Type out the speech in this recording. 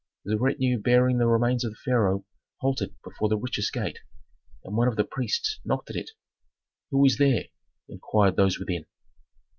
The retinue bearing the remains of the pharaoh halted before the richest gate, and one of the priests knocked at it. "Who is there?" inquired those within.